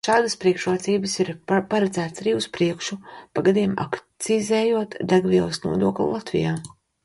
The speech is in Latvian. Šādas priekšrocības ir paredzētas arī uz priekšu, pa gadiem akcizējot degvielas nodokli Latvijā.